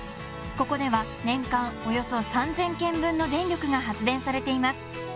ここでは年間およそ３０００軒分の電力が発電されています